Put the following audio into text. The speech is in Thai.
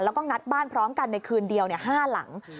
แล้วก็งัดบ้านพร้อมกันในคืนเดียว๕หลัง